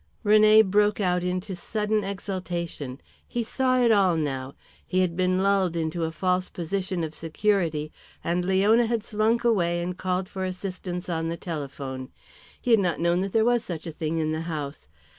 René broke out into sudden exultation. He saw it all now. He had been lulled into a false position of security, and Leona had slunk away and called for assistance on the telephone. He had not known that there was such a thing in the house.